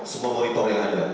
semua monitor yang ada